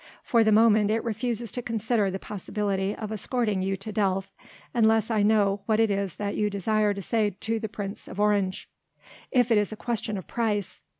For the moment it refuses to consider the possibility of escorting you to Delft unless I know what it is that you desire to say to the Prince of Orange." "If it is a question of price...."